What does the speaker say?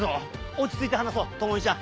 落ち着いて話そう朋美ちゃん。